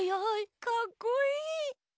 かっこいい！